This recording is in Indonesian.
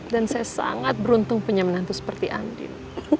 dan saya sangat beruntung punya menantu seperti andin